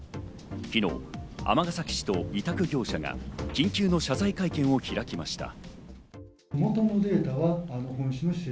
昨日、尼崎市と委託業者が緊急の謝罪会見を開きました。